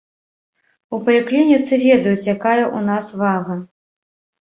У паліклініцы ведаюць, якая ў нас вага.